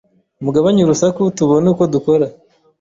Mugabanye urusaku tubone uko dukora